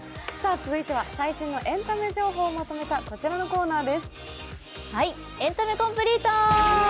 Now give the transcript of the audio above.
次は最新のエンタメ情報をまとめたこちらのコーナーです。